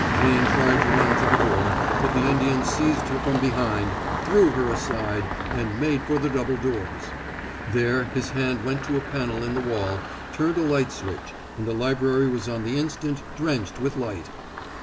Jane tried to run to the door, but the Indian seized her from behind, threw her aside, and made for the double doors. There his hand went to a panel in the wall, turned a light switch, and the library was on the instant drenched with light.